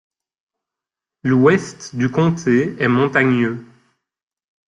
L'Ouest du comté est montagneux.